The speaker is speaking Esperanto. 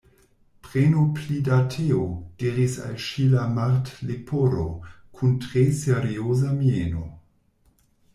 "Prenu pli da teo," diris al ŝi la Martleporo, kun tre serioza mieno.